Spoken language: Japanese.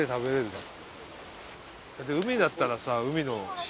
だって海だったらさ海の塩。